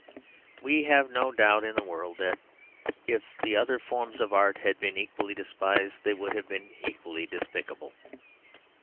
We have no doubt in the world that, if the other forms of art had been equally despised, they would have been equally despicable.